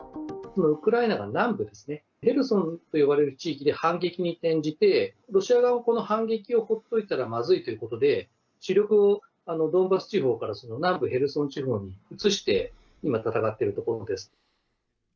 ウクライナが南部ですね、ヘルソンと呼ばれる地域で反撃に転じて、ロシア側はこの反撃をほっといたらまずいということで、主力をドンバス地方から南部ヘルソン地方に移して、今、戦っているところです。